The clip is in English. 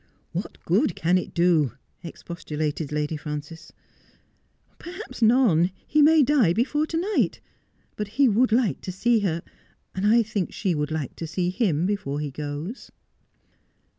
' What good can it do 1 ' expostulated Lady Frances. ' Perhaps none. He may die before to night. But he would like to see her, and I think she would like to see him before he goes.'